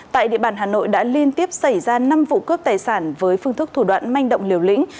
tại địa bàn hà nội đã liên tiếp xảy ra năm vụ cướp tài sản với phương thức thủ đoạn manh động liều lĩnh